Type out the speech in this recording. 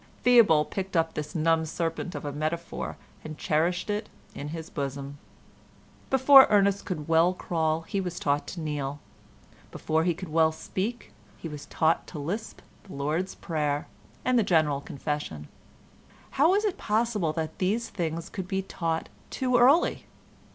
Theobald picked up this numb serpent of a metaphor and cherished it in his bosom. Before Ernest could well crawl he was taught to kneel; before he could well speak he was taught to lisp the Lord's prayer, and the general confession. How was it possible that these things could be taught too early?